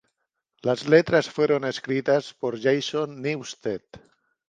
Las letras fueron escritas por Jason Newsted.